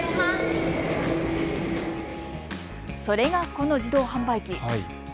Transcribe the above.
それが、この自動販売機。